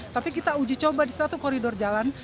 tapi kita uji coba di suatu koridor jalan